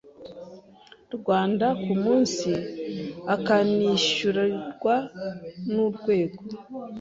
Rwanda ku munsi akanishyurirwa n urwego